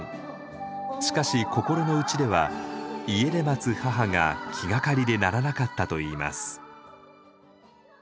しかし心の内では家で待つ母が気がかりでならなかったといいます。